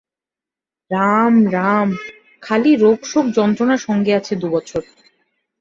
রাম রাম! খালি রোগ শোক যন্ত্রণা সঙ্গে আছে দু-বছর।